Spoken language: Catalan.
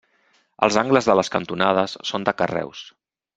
Els angles de les cantonades són de carreus.